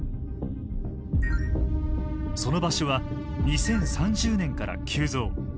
その場所は２０３０年から急増。